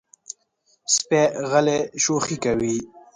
سپي غلی شوخي کوي.